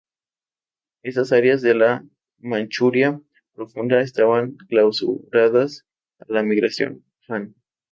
Estas áreas de la Manchuria profunda estaban clausuradas a la migración Han.